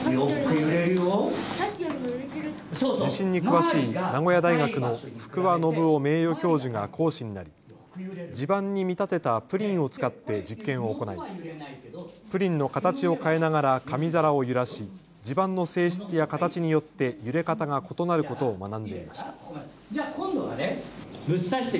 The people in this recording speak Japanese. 地震に詳しい名古屋大学の福和伸夫名誉教授が講師になり地盤に見立てたプリンを使って実験を行いプリンの形を変えながら紙皿を揺らし、地盤の性質や形によって揺れ方が異なることを学んでいました。